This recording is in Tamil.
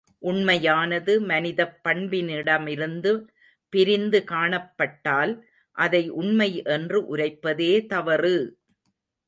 உண்மையானது மனிதப் பண்பினிடமிருந்து பிரிந்து காணப்பட்டால், அதை உண்மை என்று உரைப்பதே தவறு!